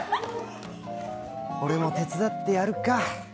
俺も手伝ってやるか。